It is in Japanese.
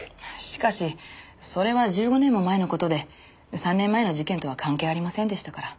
しかしそれは１５年も前の事で３年前の事件とは関係ありませんでしたから。